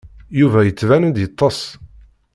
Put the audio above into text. Yuba yettban-d yeṭṭes.